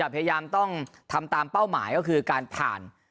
พยายามต้องทำตามเป้าหมายก็คือการผ่าน